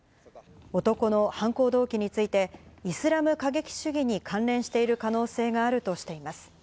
男の犯行動機について、イスラム過激主義に関連している可能性があるとしています。